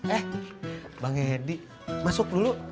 eh bang edi masuk dulu